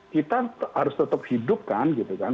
kita harus tetap hidup kan gitu kan